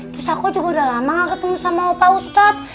terus aku juga udah lama nggak ketemu sama opa ustadz